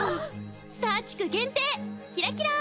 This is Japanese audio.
スター地区限定キラキラ！